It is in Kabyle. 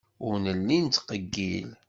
Ur nelli nettqeyyil.